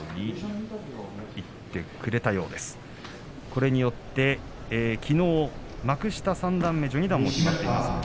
これできのう幕下、三段目序二段も決まっています。